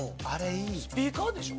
スピーカーでしょ？